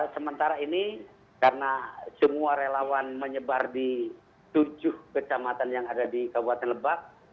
sementara ini karena semua relawan menyebar di tujuh kecamatan yang ada di kabupaten lebak